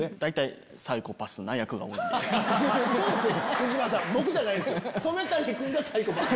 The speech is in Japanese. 藤間さん僕じゃないですよ。